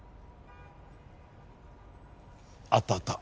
あったあった。